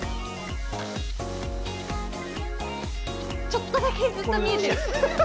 ちょっとだけずっと見えてる。